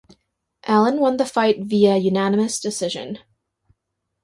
Allen won the fight via unanimous decision.